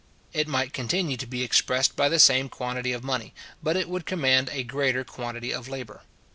It might continue to be expressed by the same quantity of money, but it would command a greater quantity of labour.